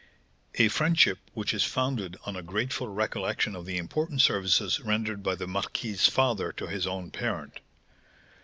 "A friendship which is founded on a grateful recollection of the important services rendered by the marquis's father to his own parent.